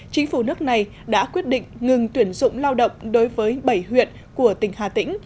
chính phủ nước này đã quyết định ngừng tuyển dụng lao động đối với bảy huyện của tỉnh hà tĩnh